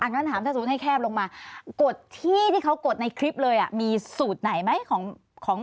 งั้นถามโดยสัมปัตสุทธิ์ให้แคบลงมากดที่ที่เค้ากดในคลิปเลยอะมีสู่ตไหนมั้ยของแผนไทย